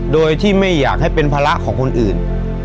โดยที่ไม่อยากให้เป็นภาระของคนอื่น